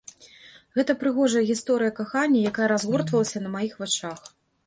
Гэта прыгожая гісторыя кахання, якая разгортвалася на маіх вачах.